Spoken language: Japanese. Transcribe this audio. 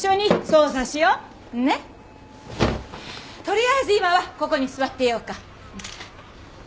とりあえず今はここに座ってようか。